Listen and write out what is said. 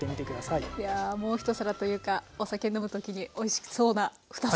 いやあもう一皿というかお酒飲む時においしそうな２皿。